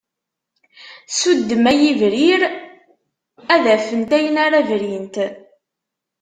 Ssuddem a yibrir, ad afent ayen ara brint.